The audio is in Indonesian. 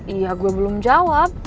iya gue belum jawab